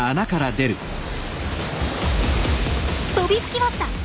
飛びつきました！